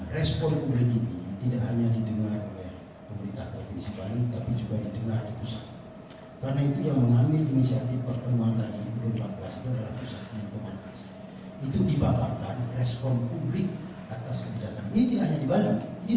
respon publik ini tidak hanya didengar oleh pemerintah gubernur bali tapi juga didengar di pusat